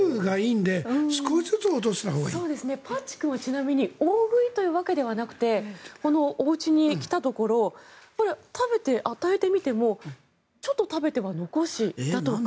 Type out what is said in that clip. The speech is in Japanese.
自由がいいのでパッチ君はちなみに大食いというわけではなくてこのおうちに来たところ食べて与えてみてもちょっと食べては残しだとか